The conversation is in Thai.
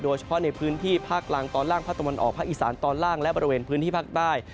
โดยเฉพาะในพื้นที่ภาคล่างตอนล่างภาคตะวันออกภาคอีสานตอนล่างและบริเวณพื้นที่ภาคใต้